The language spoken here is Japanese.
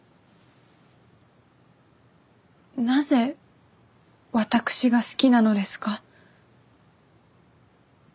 なぜ私が好きなのですか？